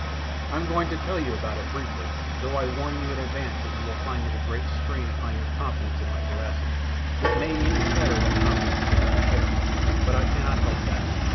I'm going to tell you about it briefly, though I warn you in advance that you will find it a great strain upon your confidence in my veracity. It may even shatter that confidence beyond repair; but I cannot help that.